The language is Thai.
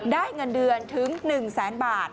ได้เงินเดือนถึง๑แสนบาท